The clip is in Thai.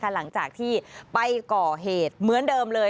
หลังจากที่ไปก่อเหตุเหมือนเดิมเลย